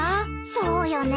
そうよね。